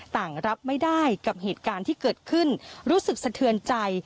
รับไม่ได้กับเหตุการณ์ที่เกิดขึ้นรู้สึกสะเทือนใจ